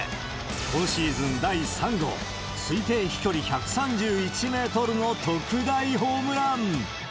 今シーズン第３号、推定飛距離１３１メートルの特大ホームラン。